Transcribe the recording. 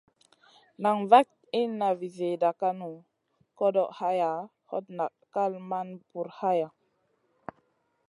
Nan vaɗ inna vi zida vanu, koɗoʼ hayaʼa, hot nan kal man bur haya.